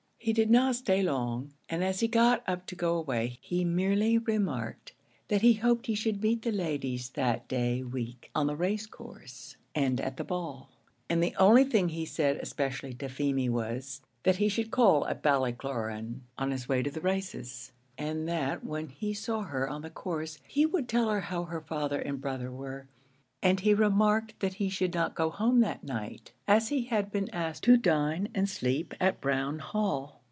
He did not stay long, and as he got up to go away, he merely remarked that he hoped he should meet the ladies that day week on the race course, and at the ball; and the only thing he said especially to Feemy was, that he should call at Ballycloran on his way to the races, and that when he saw her on the course, he would tell her how her father and brother were; and he remarked that he should not go home that night, as he had been asked to dine and sleep at Brown Hall.